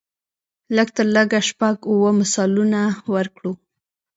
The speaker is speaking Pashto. لږ تر لږه شپږ اووه مثالونه ورکړو.